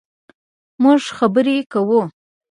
مونږ خبرې کوو